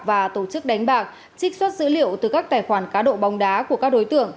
và tổ chức đánh bạc trích xuất dữ liệu từ các tài khoản cá độ bóng đá của các đối tượng